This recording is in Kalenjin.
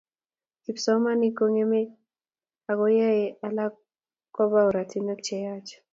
kipsomaninik kongemei akoyaei alak kopa oratinwek cheyach